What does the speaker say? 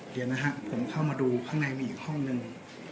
เดี๋ยวนะฮะผมเข้ามาดูข้างในมีอีกห้องหนึ่ง